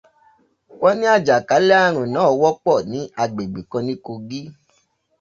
Wọ́n ní àjàkálẹ̀ ààrùn nàá wọ́pọ̀ ní agbègbè kan ní Kogí.